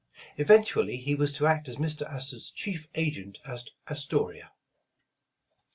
Eventually, he was to act as ]\Ir. Astor 's chief agent at Astoria.